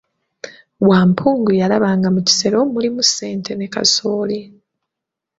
Wampungu yalaba nga mu kisero mulimu ssente ne kasooli.